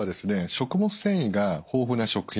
食物繊維が豊富な食品。